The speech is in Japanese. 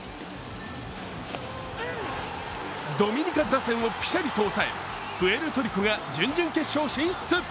ドミニカ打線をぴしゃりと抑えプエルトリコが準々決勝進出。